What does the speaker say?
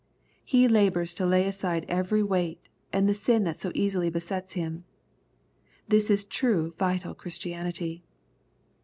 He labors to lay aside every weight, and the sin that so easily besets him. — This is true vital Christianity.